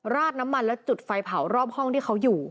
ราดน้ำมันแล้วจุดไฟเผารอบห้องที่เขาอยู่